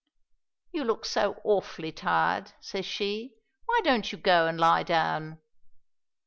"You look so awful tired," says she. "Why don't you go and lie down?"